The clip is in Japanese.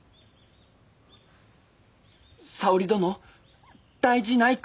沙織殿大事ないか？